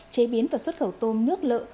chế biến và xuất khẩu tôm nước lợ